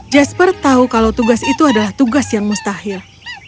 jasper tahu kalau tugas itu adalah tugas yang mustahil